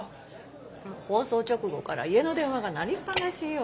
放送直後から家の電話が鳴りっぱなしよ。